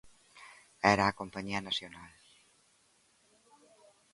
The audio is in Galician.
Era a compañía nacional...